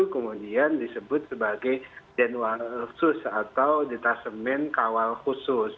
kemudian disebut sebagai jenual khusus atau detasemen kawal khusus